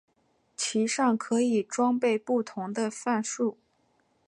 其上可以装备不同的范数。